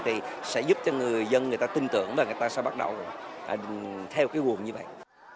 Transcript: thì sẽ giúp cho người dân người ta tin tưởng và người ta sẽ bắt đầu theo cái nguồn như vậy